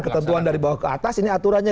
ketentuan dari bawah ke atas ini aturannya